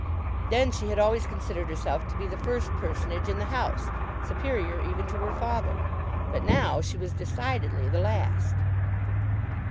Then she had always considered herself to be the first personage in the house, superior even to her father; but now she was decidedly the last.